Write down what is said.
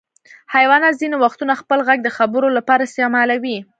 حیوانات ځینې وختونه خپل غږ د خبرو لپاره استعمالوي.